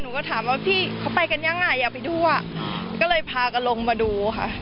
หนูก็ถามว่าพี่เขาไปกันยังไงอยากไปดูอ่ะก็เลยพากันลงมาดูค่ะ